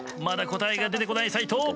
まだ答えが出てこない斎藤。